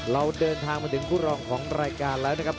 เราเดินทางมาถึงคู่รองของรายการแล้วนะครับ